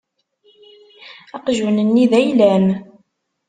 Aqjun-nni d ayla-m.